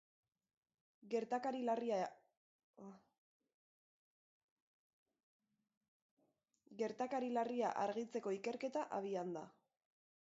Gertakari larria argitzeko ikerketa abian da.